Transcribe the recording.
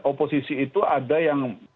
oposisi itu ada yang